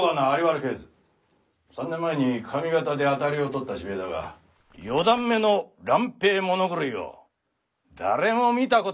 ３年前に上方で当たりを取った芝居だが四段目の「蘭平物狂」を誰も見たことがねえ